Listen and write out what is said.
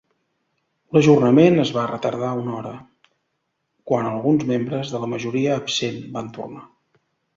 L'ajornament es va retardar una hora, quan alguns membres de la majoria absent van tornar.